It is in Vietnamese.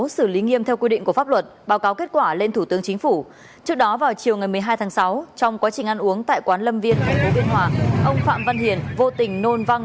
xin chào quý vị và các bạn